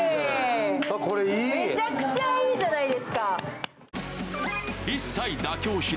めちゃくちゃいいじゃないですか。